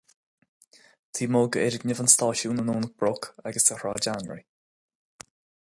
Taobh amuigh d'fhoirgnimh an stáisiúin i nDomhnach Broc agus ar Shráid Anraí.